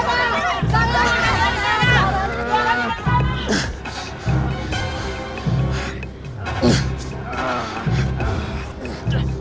suara kita disana